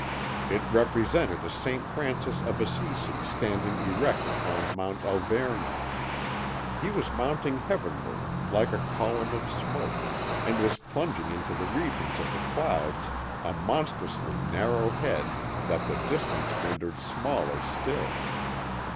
It represented a Saint Francis of Assisi standing erect upon Mont Alverno. He was mounting heavenward like a column of smoke, and was plunging into the regions of the clouds a monstrously narrow head that the distance rendered smaller still.